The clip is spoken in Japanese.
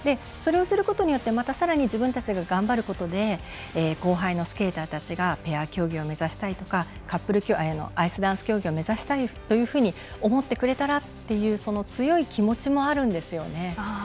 それをすることで、またさらに自分たちが頑張ることで後輩のスケーターたちがペア競技を目指したいとかアイスダンス競技を目指したいと思ってくれたらという強い気持ちもあるんですよね。